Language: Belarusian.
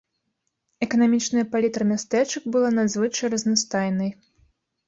Эканамічная палітра мястэчак была надзвычай разнастайнай.